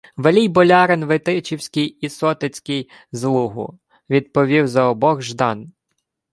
— Велій болярин витичівський і сотецький з Лугу, — відповів за обох Ждан.